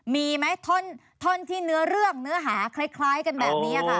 มีไหมท่อนที่เนื้อเรื่องเนื้อหาคล้ายกันแบบนี้ค่ะ